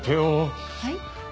はい？